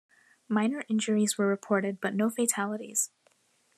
Minor injuries were reported, but no fatalities.